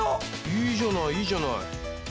いいじゃないいいじゃない。